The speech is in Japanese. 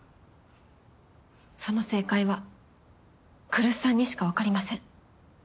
その正解は来栖さんにしかわかりません。